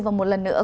và một lần nữa